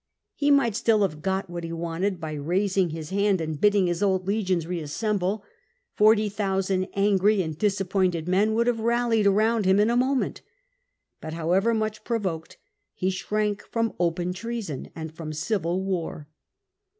He might still have got what he wanted by raising his hand and bidding his old legions reassemble : forty thousand angry and disappointed men would have rallied around him in a moment. But how ever much provoked, he shrank from open treason and from civil war.